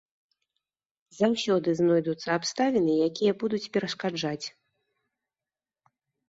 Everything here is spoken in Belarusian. Заўсёды знойдуцца абставіны, якія будуць перашкаджаць.